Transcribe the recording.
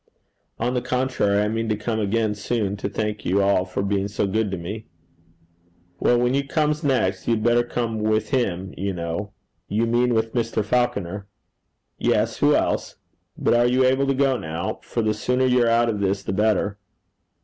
'On the contrary, I mean to come again soon, to thank you all for being so good to me.' 'Well, when you comes next, you'd better come with him, you know.' 'You mean with Mr. Falconer?' 'Yes, who else? But are you able to go now? for the sooner you're out of this the better.'